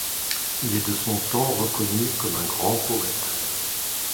Il est de son temps reconnu comme un grand poète.